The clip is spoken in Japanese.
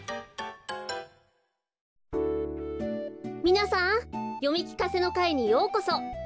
みなさんよみきかせのかいにようこそ。